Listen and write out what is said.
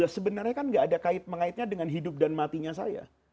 sebenarnya kan gak ada kait mengaitnya dengan hidup dan matinya saya